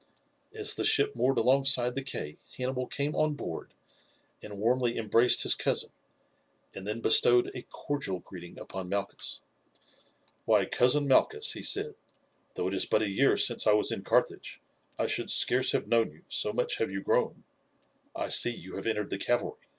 As the ship moored alongside the quay Hannibal came on board and warmly embraced his cousin, and then bestowed a cordial greeting upon Malchus. "Why, cousin Malchus," he said, "though it is but a year since I was in Carthage, I should scarce have known you, so much have you grown. I see you have entered the cavalry.